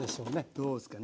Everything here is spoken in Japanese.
どうっすかね？